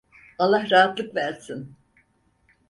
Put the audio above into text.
Allah rahatlık versin.